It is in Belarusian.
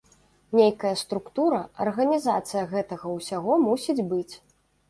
Нейкая структура, арганізацыя гэтага ўсяго мусіць быць.